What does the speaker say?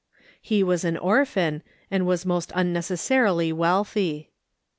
He was an orphan, and was most unnecessarily wealthy.